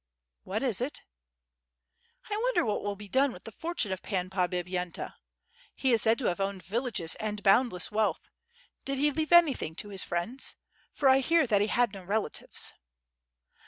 "What is it?" "I wonder what will be done with the fortune of Pan Pod bipyenta? He is said to have owned villages and boundless wealth. Did he leave anything to his friends? for I hear that he had no relatives."